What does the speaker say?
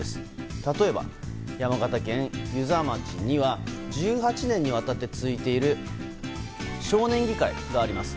例えば、山形県遊佐町には１８年にわたって続いている少年議会があります。